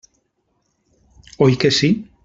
Oi que sí?